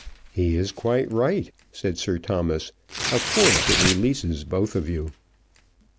"He is quite right," said Sir Thomas. "Of course it releases both of you."